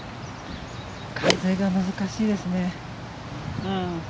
風が難しいですね。